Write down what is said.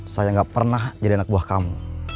saya gak pernah jadi anak buah kamu